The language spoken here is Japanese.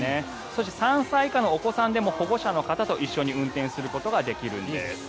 そして３歳以下のお子さんでも保護者の方と一緒に運転することができるんです。